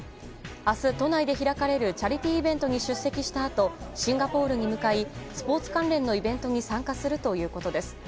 明日、都内で開かれるチャリティーイベントに出席したあとシンガポールに向かいスポーツ関連のイベントに参加するということです。